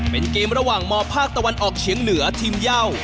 เป็นเกมระหว่างมภาคตะวันออกเฉียงเหนือทีมเย่า